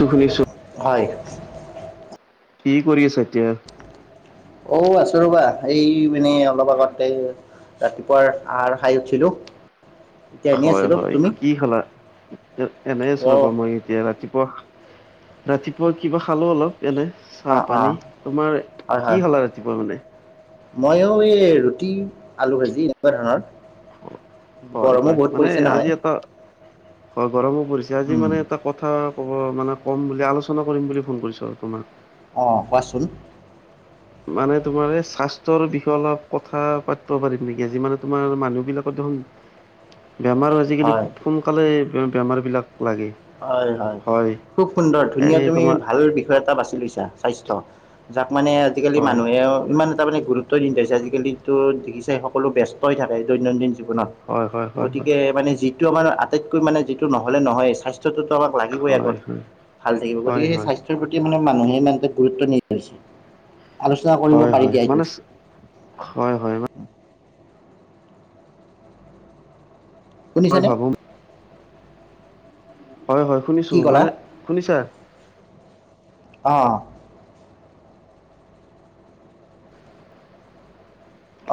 টো শুনিছো হয়, কি কৰি আছা এতিয়া? অ আছো ৰ'বা এই মানে অলপ আগতে ৰাতিপুৱাৰ আহাৰ খাই উঠিলো হয় হয় কি খালা এনে আছো ৰ'বা অ' মই এতিয়া ৰাতিপুৱা ৰাতিপুৱা কিবা খালো অলপ এনে চাহ অ' পানী অ' তোমাৰ কি খালা ৰাতিপুৱা মানে মইও এই ৰুটি আলু ভাজি এনেকুৱা ধৰণৰ হয় গৰমো হয় বহুত মানে পৰিছে আজি নহয়। এটা হয়, গৰমো পৰিছে আজি মানে এটা কথা কব মানে ক'ম বুলি আলোচনা কৰিম বুলি ফোন কৰিছোঁ আৰু তোমাক। অ', কোৱাচোন? মানে তোমাৰ এই স্বাস্থ্যৰ বিষয়ে অলপ কথা পাতিব পাৰিম নেকি আজি মানে তোমাৰ মানুহ বিলাকত [inaudible] [inaudible] বেমাৰ আজিকালি হয় খুব সোনকালে বেমাৰ বিলাক লাগে হয়, হয়, খুব সুন্দৰ ধুনীয়া এই তুমি তোমাৰ ভাল বিষয় এটা বাছি লৈছা। স্বাস্থ্য যাক মানে আজিকালি হয় মানুহে ইমান এটা মানে গুৰুত্ব নিদিয়া হৈছে আজিকালিটো [unintelligible] সকলো ব্যস্তই থাকে দৈনন্দিন জীৱনত হয় হয় হয় হয় গতিকে মানে যি যিটো আমাৰ আটাইতকৈ মানে যিটো নহলে নহয় স্বাস্থ্য স্বাস্থ্যততো লাগিবই হয় আগত হয় ভাল থাকিব গতিকে হয় সেই হয় স্বাস্থ্যৰ প্ৰতি মানে মানুহে ইমান এটা গুৰুত্ব নিদিয়া হৈছে। আলোচনা কৰিব হয় পাৰি হয় দিয়া এইটো। মানে হয় হয় মানে মই শুনিছানে ভাবোঁ হয়, হয়, কি শুনিছোঁ ক'লা? মানে শুনিছা? অ',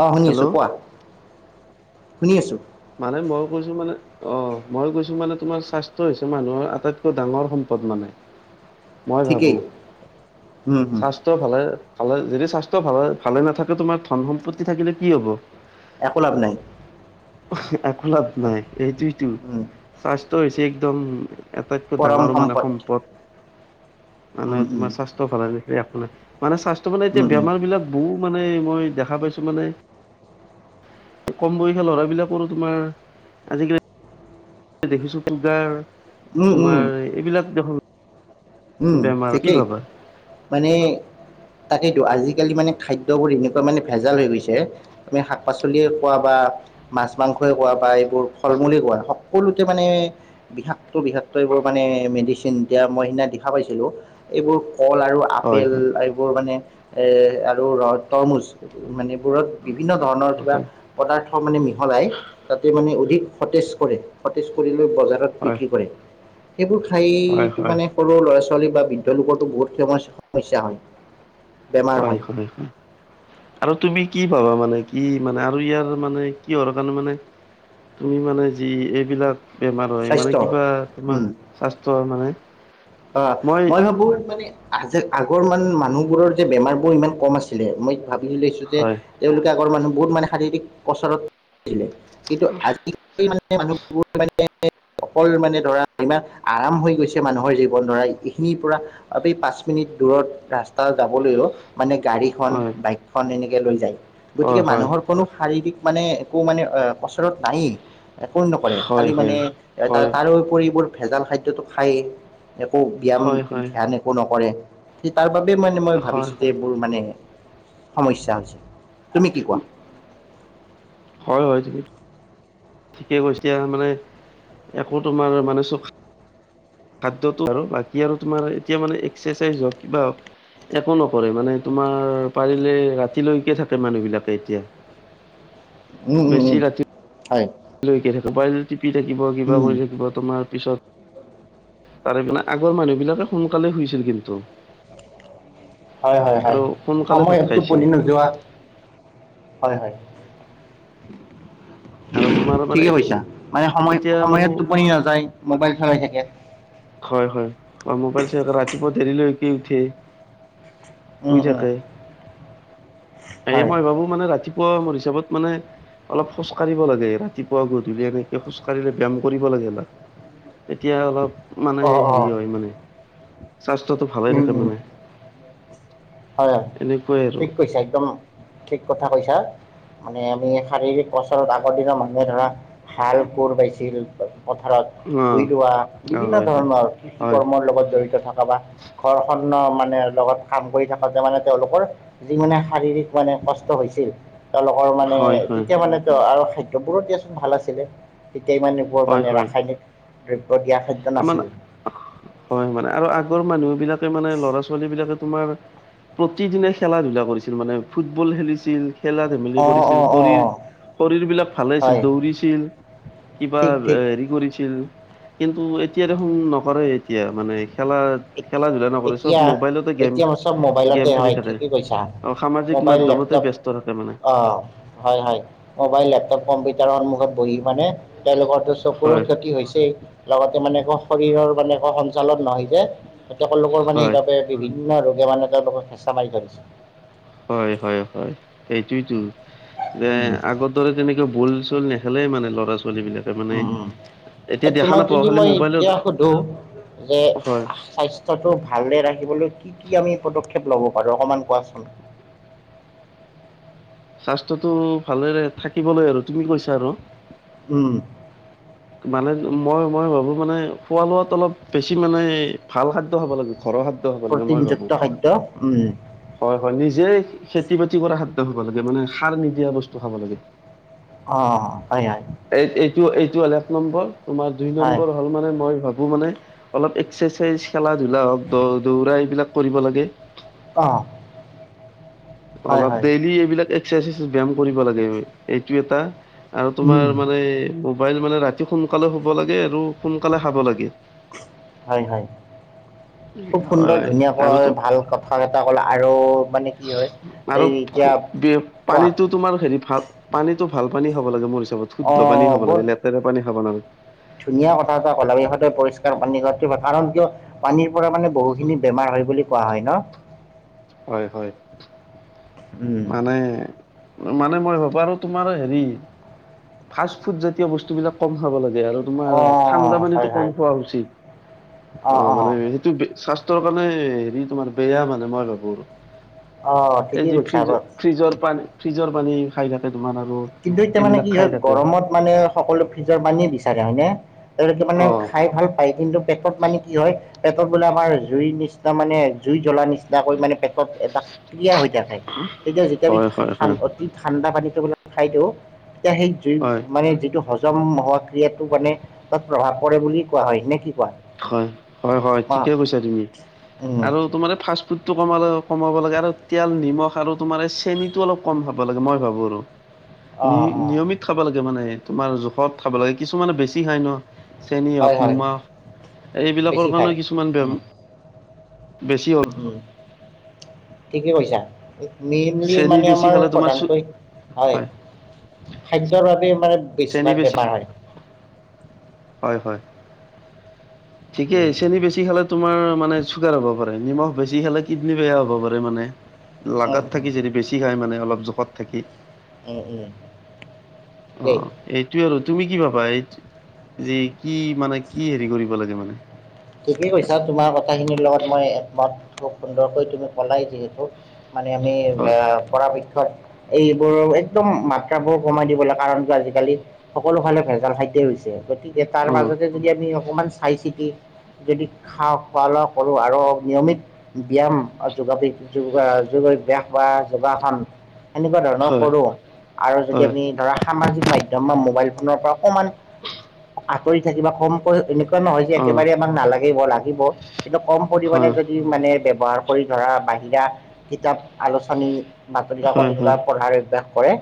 অ' শুনি হেল্ল' আছো কোৱা, শুনি আছো। মানে মই কৈছো মানে অ', মই কৈছো মানে তোমাৰ স্বাস্থ্য হৈছে মানুহৰ আটাইতকৈ ডাঙৰ সম্পদ সম্পদ মানে মই ভাবো ঠিকেই উম, হম। স্বাস্থ্য ভালে ভালে যদি স্বাস্থ্য ভালে ভালে নাথাকে তোমাৰ ধন সম্পত্তি থাকিলে কি হব? একো লাভ নাই। একো লাভ হয়, নাই এইটোতো উম, স্বাস্থ্য হৈছে একদম আটাইতকৈ ডাঙৰ মানে সম্পদ মানে উম, উম। তোমাৰ স্বাস্থ্য ভালে, একো নাই মানে স্বাস্থ্য মানে এতিয়া উম, উম, বেমাৰ বিলাক বহুত মানে মানে মই দেখা পাইছোঁ মানে কম বয়সৰ ল'ৰা ল'ৰাবিলাকৰো তোমাৰ আজিকালি দেখিছোঁ চুগাৰ উম, উম, তোমাৰ এইবিলাক দেখ উম, ঠিকেই মানে তাকেইতো আজিকালি মানে খাদ্যবোৰ এনেকুৱা মানে ভেজাল হৈ গৈছে আমি শাক পাচলিয়ে খোৱা বা মাছ মাংসই কোৱা বা এইবোৰ ফল মূলে কোৱা, সকলোতে মানে বিষাক্ত বিষাক্ত এইবোৰ মানে মেডিচিন দিয়া মই সেইদিনা দেখা পাইছিলো এইবোৰ কল আৰু হয় আপেল এইবোৰ মানে এ, আৰু ৰ তৰমুজ মান এইবোৰত বিভিন্ন ধৰণৰ হয় কিবা হয় পদাৰ্থ [unintelligible] মানে মিহলাই তাতে মানে অধিক সতেজ কৰে, সতেজ কৰি বজাৰত হয় বিক্ৰী কৰে, সেইবোৰ হয় খাইটো হয় মানে সৰু ল'ৰা ছোৱালী বা বৃদ্ধ লোকতো বহুত সমস্যা হয়। হয় এইখন আৰু তুমি কি পাবা মানে কি মানে আৰু ইয়াৰ মানে কিহৰ কাৰণে মানে তুমি মানে যি এইবিলাক বেমাৰ হয় মানে স্বাস্থ্য কিবা উম তোমাৰ স্বাস্থ্যৰ মানে অ', মই ভাবোঁ আজ আগৰ মান মানুহ বোৰৰ যে বেমাৰ বোৰ ইমান কম আছিলে মই ভাবি লৈছো যে হয় তেওঁলোকে আগৰ মানুহ বহুত মানে শাৰীৰিক পচৰতছিলে কিন্তু আজিকালি মানে মানুহৰ মানে অকল মানে ধৰা ইমান আৰাম হৈ গৈছে মানুহৰ জ [unintelligible] এইখিনি পৰা এই পাঁচ মিনিট দূৰত ৰাস্তা যাবলৈও মানে গাড়ীখন, হয় বাইকখন, এনেকে লৈ যায় গতিকে হয় মানুহৰ কোনো শাৰীৰিক মানে একো মানে অ, পছৰত নাইয়েই। একো নকৰে হয় খালি মানে হয় হয় তাৰ হয় তাৰ ওপৰি এইবোৰ ভেজাল খাদ্যতটো খায়েই একো ব্যাম হয় হয় ধ্যান একো নকৰে তাৰবাবে মানে মই হয় হয় ভাবিছো যে এইবোৰ মানে সমস্যা হৈছে তুমি কি কোৱা? হয়, হয়, তিবি ঠিকেই কৈ এতিয়া মানে একো তোমাৰ মানে চখ খাদ্যটো আৰু বাকী আৰু তোমাৰ এতিয়া মানে এক্সাৰচাইজ হওক কিবা হওক। একো নকৰে মানে তোমাৰ পাৰিলে ৰাতিলৈকে থাকে মানুহ বিলাকে এতিয়া। উম, উম, বেছি উম, ৰাতি হয়, লৈকে থাকিব পাৰ টিপি থাকিব কিবা উম কৰি থাকিব তোমাৰ পিছত তাৰে মানে আগৰ মানুহবিলাকে সোনকালেই শুইছিল কিন্তু। হয়, হয়, হয়, আৰু সোনকালে ভাত সময়ত খাইছিল টোপনি নোযোৱা হয়, হয়, আৰু তোমাৰ মানে ঠিকে কৈছা। মানে সময় এতিয়া মানে সময়ত টোপনি নাযায় মোবাইল খেলাই থাকে। হয়, হয়, হয়, মোবাইল চাই ৰাতিপুৱা দেৰিলৈ কে উঠে উম শুই উম থাকে এই হয় মই ভাবো মানে ৰাতিপুৱ পুৱা মোৰ হিচাপত মানে অলপ খোজ কঢ়িব লাগে ৰাতিপুৱা গধূলি এনেকে খোজ কঢ়িলে ব্যায়ম কৰিব লাগে অলপ এতিয়া অলপ মানে অ অ হেৰি হয় মানে স্বাস্থ্যটো ভাল হয় উম থাকে উম মানে। হয়, হয়, এনেকুৱাই আৰু ঠিক কৈছা একদম ঠিক কথা কৈছা মানে আমি শাৰীৰিক পচলত আগৰ দিনৰ মানুহে ধৰা হাল কোৰ পাইছিল পথাৰত ভুই অ ৰোৱা অ বিভিন্ন হয় হয় ধৰণৰ কৃষি হয় কৰ্মৰ লগত জড়িত থকা বা [unintelligible] মানে লগত কাম কৰি থাকোঁতে মানে তেওঁলোকৰ, যি মানে শাৰীৰিক মানে কষ্ট হৈছিল তেওঁলোকৰ মানে হয় হয় তেতিয়া মানে ত আৰু খাদ্যবোৰো দিয়াচোন ভাল আছিলে। তেতিয়া ইমান এনেকুৱা হয় মানে হয় ৰাসায়নিক দ্য [unintelligible] হয়, মানে আৰু আগৰ মানুহ বিলাকে মানে ল'ৰা ছোৱালী বিাক বিলাকে তোমাৰ প্ৰতিদিনে খেলা ধূলা কৰিছিল মানে ফুটবল খেলিছিল খেলা ধেমালি অঁ কৰিছিল অঁ শৰীৰ অঁ শৰীৰ বিলাক ভালে আছিল হয় দৌৰিছিল। কিবা ঠিক ঠিক হেৰি কৰিছিল কিন্তু এতিয়া দেখোন নকৰে এতিয়া মানে খেলা এতি খেলা ধূলা নকৰে চব এতিয়া মোবাইলতে গেম এতিয়া চব গেম মোবাইলতে খেলি হয় থাকে ঠিকে কৈছা। আৰু সামাজিক মোবাইল মাধ্যমতে লেপটপ ব্যস্ত থাকে মানে অ, হয়, হয়, মোবাইল লেপটপ কম্পিউটাৰ সন্মুখত বহি মানে তেওঁলোকৰ আৰু চকুৰো হয় ক্ষতি হৈছেই লগতে মানে একৌ শৰীৰৰ মানে একো সঞ্চালন নহয় যে তেওঁকল লোকৰ মানে হয় সেইবাবে বিভিন্ন ৰোগে মানে তেওঁলোকক হেঁচা মাৰি ধৰিছে হয়, হয়, হয়, সেইটোয়েতো যে উম, আগৰ দৰে তেনেকে ভল [unintelligible] নেখেলেই মানে ল'ৰা চোৱা ছোৱালী বিলাকে মানে উম, উম, এতিয়া দেখা তোমাক নাপাওঁ যদি খালি মই এতিয়া মোবাইলত সুধো যে হয় স্বাস্থ্যটো ভালে ৰাখিবলৈ কি কি আমি পদক্ষেপ লব পাৰো অকমান কোৱাচোন? স্বাস্থ্যটো ভালেৰে থাকিবলৈ আৰু তুমি কৈছা আৰু উম, মানে মই-মই ভাবো মানে খোৱা লোৱাত অলপ বেছি মানে ভাল খাদ্য খাব লাগে ঘৰৰ খাদ্য হ'ব লাগে মই ভাবো প্ৰটিনযুক্ত খাদ্য উম। হয়, হয়, নি যে খেতি বাতি কৰা খাদ্য খাব লাগে মানে সাৰ নিদিয়া বস্তু খাব লাগে অ, হয়, হয়, টো এইটো হ'ল এক নম্বৰ তোমাৰ দুই হয়, নম্বৰ হ'ল মানে মই ভাব মানে অলপ এক্সাৰচাইজ খেলা ধূলা হওক দ দৌৰা এইবিলাক কৰিব লাগে অ', হয়, অলপ হয়, ডেইলি এইবিলাক এক্সাৰচাইজ ব্যায়াম কৰিব লাগে এইটো এটা আৰু উম, উম, তোমাৰ মানে মোবাইল মানে ৰাতি সোনকালে শুব লাগে আৰু সোনকালে খাব লাগে। হয়, হয়, খুব সুন্দৰ হয় আৰু ধুনীয়াকৈ তো ভাল কথা এটা কলা আৰু মানে কি হয় এই এতিয়া আৰু কোৱা পানীটো তোমাৰ হেৰি ভাল পানীটো ভাল পানী খাব লাগে মোৰ শুদ্ধ পানী অ', খাব বহুত লাগে লেতেৰা পানী খাব নালাগে ধুনীয়া কথা এটা কলা [unintelligible] পৰিষ্কাৰ পানী খোৱাটো ভাল কাৰণ কিয় পানীৰ পৰা মানে বহুখিনি বেমাৰ হয় বুলি কোৱা হয় ন। হয়, হয়, উম, মানে মানে মই ভা বাৰু তোমাৰ হেৰি ফাষ্ট ফুড জাতীয় বস্তুবিলাক কম খাব লাগে আৰু তোমাৰ অ', ঠাণ্ডা হয়, পানীটো হয়, কম খোৱা উচিত অ, অ', মানে অ', সেইটো স্বাস স্বাস্থ্য কাৰণে হেৰি তোমাৰ বেয়া মানে মই ভাবো আৰু অ, এই ঠিকেই যি কৈছে ফ্ৰিজ ফ্ৰিজৰ পানী ফ্ৰিজৰ পানী খাই থাকে তোমাৰ আৰু কিন্তু এতিয়া মানে এইবিলাক কি খাই হয় থাকে গৰমত মানে সকলো ফ্ৰিজৰ পানীয়ে বিচাৰে হয়নে? তেওঁলোকে মানে অ খাই ভাল পায় কিন্তু পেটত মানে কি হয় পেটত বোলে আমাৰ জুই নিচিনা মানে জুই জ্বলা নিচিনা নিচিনা কৈ মানে পেটত এটা ক্ৰিয়া হৈ থাকে তেতিয়া যেতিয়া হয় হয় আমি হয় অতি ঠাণ্ডা পানীত খাই দিও তেতিয়া সেই জুই হয় মানে যিটো হজম হজম হোৱা ক্ৰিয়াটো মানে তাত প্ৰভাৱ পৰে বুলি কোৱা হয় নে কি? কোৱা? হয়, হয়, হয়, অ ঠিকে কৈছা তুমি উম আৰু তোমাৰেই ফাষ্ট ফুডটো কমালেও কমাব লাগে আৰু তিয়ল নিমখ আৰু তোমাৰ এই চেনিটো অলপ কম খাব লাগে মই ভাবো আৰু অ অ নিয়মিত খাব লাগে মানে তোমাৰ জোখত খাব লাগে কিছুমানে বেছি খাই ন চেনি হয় হয় অনমা বেছি খাই উম, বেছি হ'ল উম, উম, ঠিকেই কৈছা। মেইনলি চেনি মানে বেছি আমাৰ খালে তোমাৰ চু প্ৰধানকৈ হয়, খাদ্যৰ বাবে মানে চেনি বেছিভাগ বেছি বেমাৰ হয়। হয়, হয়, ঠিকে উম চেনি বেছি খালে তোমাৰ মানে চুগাৰ হ'ব পাৰে নিমখ বেছি খালে কিডনী বেয়া হ'ব পাৰে মানে উম লাগাত উম থাকি যদি বেছি খাই মানে অলপ জোখত থাকি। উম, উম, ঠিকেই অ', এইটোয়ে আৰু। তুমি কি ভাবা এই যে কি মানে কি হেৰি কৰিব লাগে মানে? ঠিকেই কৈছা তোমাৰ কথাখিনিৰ লগত মই একমত খুব সুন্দৰকৈ তুমি কলাই যিহেতু। মানে আমি এ হয় পৰাপক্ষত এইবোৰ একদম মাত্ৰা বোৰ কমাই দিবলৈ কাৰণ কি আজিকালি সকলো ফালে ভেজাল খাদ্যয় হৈছে গতিকে এতিয়া তাৰ অ মাজতে যদি আমি অকমান চাই চিটি। যদি খা খোৱা লোৱা কৰো আৰু নিয়মিত ব্যয়ায়াম যোগা ব্যাস বা যোগাসন সেনেকুৱা ধৰণৰ হয় কৰোঁ আৰু যদি হয় আমি ধৰা সামাজিক মাধ্যম আমা মোবাইল ফোনৰ পৰা অকমান আঁতৰি থাকিবা। কমকৈ, এনেকুৱা নহয় যে অ একেবাৰে তোমাক নালাগিব, লাগিব কিন্তু কম পৰিমাণে হয় যদি মানে বে ব্যৱহাৰ কৰি ধৰা বাহিৰা কিতাপ, আলোচনী, বাতৰিকাকত হয় হয় তেনেকুৱা পঢ়াৰ অভ্যাস হয়,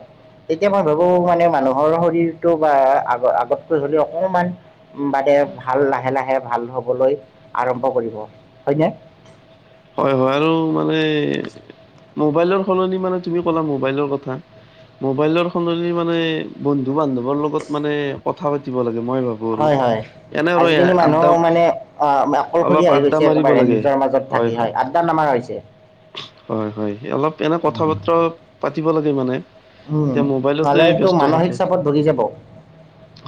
তেতিয়া মই ভাবো মানে মানুহৰ শৰীৰটো বা আগ আগতকৈ হ'লেও অকমান বাদে ভাল লাহে লাহে ভাল হবলৈ আৰম্ভ কৰিব হয়নে? হয় হয় আৰু মানে মোবাইলৰ সলনি মানে তুমি ক'লা মোবাইলৰ কথা। মোবাইলৰ সলনি মানে বন্ধু-বান্ধৱৰ লগত মানে কথা পাতিব লাগ মই ভাৱোঁ আৰু। হয় হয় এনে আৰু আজিকালি মানুহ আড্ডা মানে অ', অলপ অকলশৰীয়া হৈ আড্ডা গৈছে, মাৰিব একেবাৰে লাগে নিজৰ মাজত থাকি। হয়, আড্ডা নামা হৈছে হয় হয়, অলপ এনে উম, কথা-বতৰা পাতিব লাগে মানে। উম এতিয়া মোবাইলতে নহ'লেতো ব্যস্ত মানসিক থাকে। চাপত ভুগি যাব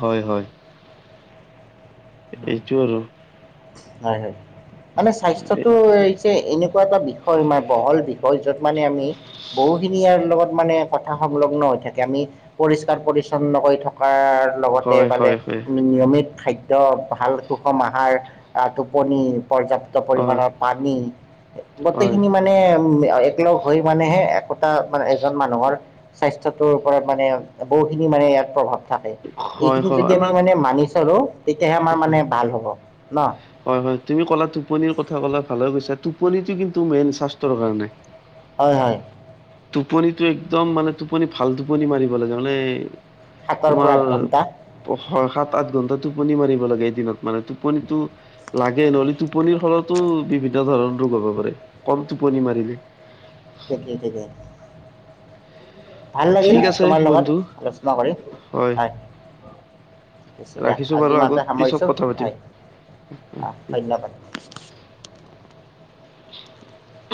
হয় হয়। উম, এইটো আৰু। হয় হয়। মানে এ স্বাস্থ্যটো হৈছে এনেকুৱা এটা বিষয় মা বহল বিষয় য'ত মানে আমি বহুখিনি আৰু লগত মানে কথা সংলগ্ন হৈ থাকে। আমি পৰিষ্কাৰ- পৰিচ্ছন্নকৈ থকাৰ লগতে হয় মানে হয় হয় নিয়মিত খাদ্য, ভাল সুষম আহাৰ, টোপনি। পৰ্যাপ্ত হয় পৰিমাণৰ পানী হয় গোটেইখিনি মানে উম একলগ হৈ মানেহে একতা মানে এজন মানুহৰ স্বাস্থ্যটোৰ ওপৰত মানে বহুখিনি মানে ইয়াত প্ৰভাৱ থাকে। হয় এইখিনি হয় যদি আমি আমাৰ মানে মানি চলো তেতিয়াহে আমাৰ মানে হয় ভাল হ'ব। ন। হয় হয়। তুমি ক'লা টোপনিৰ কথা ক'লা ভালে টোপনিটো কিন্তু মেইন স্বাস্থ্যৰ কাৰণে। হয় হয়। টোপনিটো একদম মানে টোপনি ভাল টোপনি মাৰিব লাগে মানে। সাতৰ পৰা তোমাৰ আঠ ঘণ্টা ভৰসাত। আঠ ঘন্টা টোপনি মাৰিব লাগে এদিনত মানে। টোপনিটো লাগে নহ'লে টোপনিৰ ফলতো বি তেনেধৰণৰ ৰোগ হ'ব পাৰে, কম টোপনি মাৰিলে। ঠিকেই ঠিকেই ভাল লাগিল ঠিক আছে তোমাৰ বন্ধু লগত আলোচনা কৰি। হয়। হৈছে দিয়া। ৰাখিছো আজি বাৰু আগত ইমানতে পিছত সামৰিছোঁ। কথা পাতিম হয়। অহ, ধন্যবাদ। [inaudible]